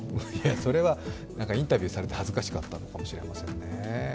それはインタビューをされて恥ずかしかったのかもしれませんね。